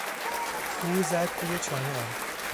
او زد توی چانهام.